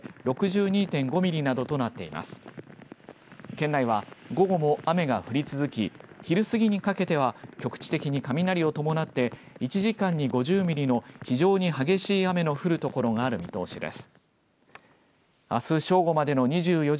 県内は午後も雨が降り続き昼過ぎにかけては局地的に雷を伴って１時間に５０ミリの非常に激しい雨の降る所がある見通しです。